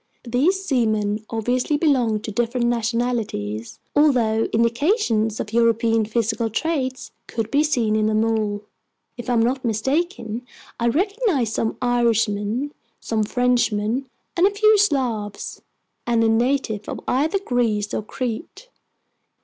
These seamen obviously belonged to different nationalities, although indications of European physical traits could be seen in them all. If I'm not mistaken, I recognized some Irishmen, some Frenchmen, a few Slavs, and a native of either Greece or Crete.